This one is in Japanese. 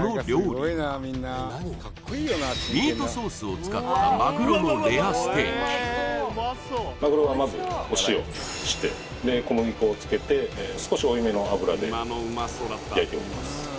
ミートソースを使ったまぐろはまずお塩をしてで小麦粉をつけて少し多めの油で焼いております